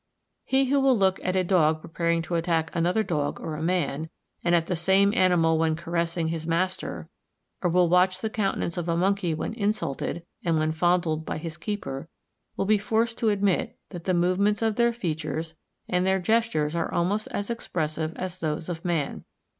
He who will look at a dog preparing to attack another dog or a man, and at the same animal when caressing his master, or will watch the countenance of a monkey when insulted, and when fondled by his keeper, will be forced to admit that the movements of their features and their gestures are almost as expressive as those of man.